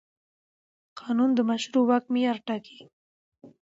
قانون د مشروع واک معیار ټاکي.